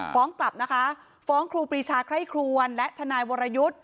ฟ้องตับฟ้องครูปีชาไข้ครวรและธนายวรยุทธ์